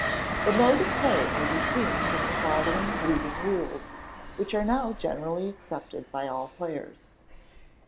The mode of play may be seen from the following leading rules, which are now generally accepted by all players.